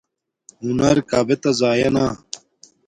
ہنر کابتہ زایا نا